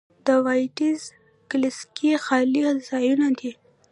د وایډز ګلکسي خالي ځایونه دي.